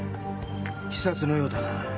刺殺のようだな。